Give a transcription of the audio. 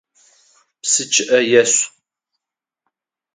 Псы чъыӏэ ешъу!